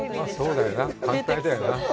そうだよね、反対だよな。